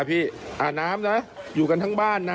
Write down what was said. พี่อาบน้ำนะอยู่กันทั้งบ้านนะ